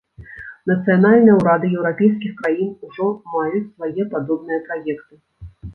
Нацыянальныя ўрады еўрапейскіх краін ужо маюць свае падобныя праекты.